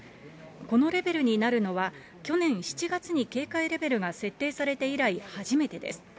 このレベルになるのは、去年７月に警戒レベルが設定されて以来初めてです。